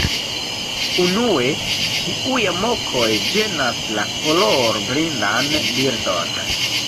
Unue, tiuj mokoj ĝenas la kolorblindan birdon.